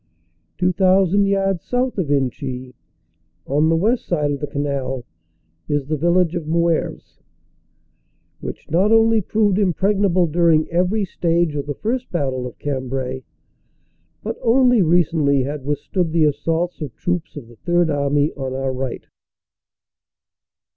Two thousand yards south of Inchy, on the west side of the canal, is the vil lage of Moeuvres, which not only proved impregnable during every stage of the first battle of Cambrai, but only recently had withstood the assaults of troops of the Third Army on our right.